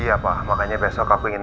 iya pak makanya besok aku ngindepin elsa